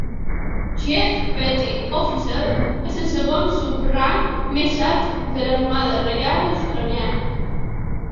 "Chief Petty Officer" és el segon subrang més alt de l'Armada Reial Australiana.